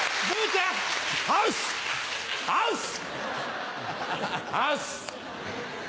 ハウス。